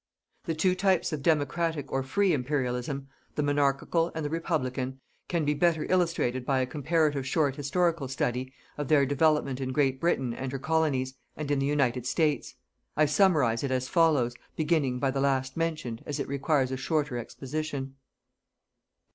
The two types of Democratic or free Imperialism the Monarchical and the Republican can be better illustrated by a comparative short historical study of their development in Great Britain and her colonies, and in the United States. I summarize it as follows, beginning by the last mentioned, as it requires a shorter exposition.